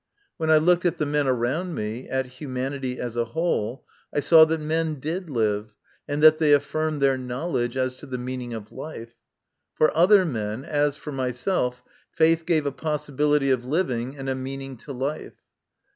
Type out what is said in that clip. When I looked at the men around me, at humanity as a whole, I saw that men did live, and that they affirmed their knowledge as to the meaning of life. For other men, as for myself, faith gave a possibility of living and a meaning to life.